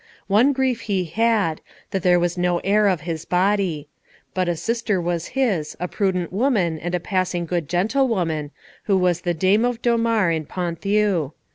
One grief he had, that there was no heir of his body; but a sister was his, a prudent woman and a passing good gentlewoman, who was dame of Dommare in Ponthieu.